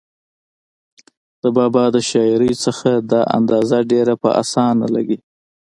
د بابا د شاعرۍ نه دا اندازه ډېره پۀ اسانه لګي